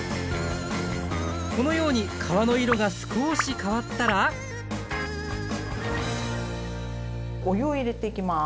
このように皮の色が少し変わったらお湯を入れていきます。